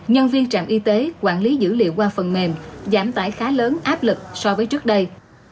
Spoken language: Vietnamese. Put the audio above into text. nhân viên trạm y tế quản lý dữ liệu qua phần mềm giảm tải khá lớn áp lực so với trước đây